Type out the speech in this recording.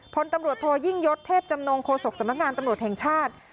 พลตำรวจโทยิ่งยศเทพจำนงโฆษกสำนักงานตำรวจแห่งชาติ